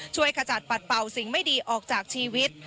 ขจัดปัดเป่าสิ่งไม่ดีออกจากชีวิต